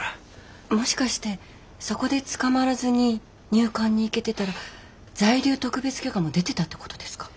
もしかしてそこで捕まらずに入管に行けてたら在留特別許可も出てたってことですか？